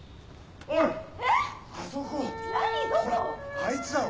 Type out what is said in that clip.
あいつだろ。